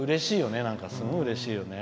すごい、うれしいよね。